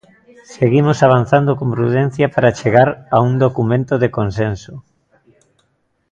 Seguimos avanzando con prudencia para chegar a un documento de consenso.